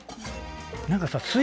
何かさ。